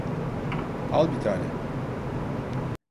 Al bir tane.